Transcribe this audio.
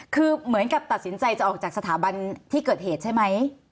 คือเหมือนกับตัดสินใจจะออกจากสถาบันที่เกิดเหตุใช่ไหม